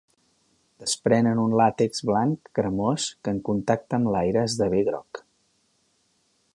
Desprenen un làtex blanc, cremós, que en contacte amb l'aire esdevé groc.